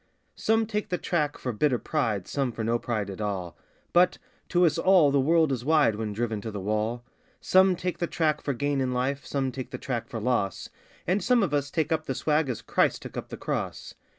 Some take the track for bitter pride, some for no pride at all (But to us all the world is wide when driven to the wall) Some take the track for gain in life, some take the track for loss And some of us take up the swag as Christ took up the Cross.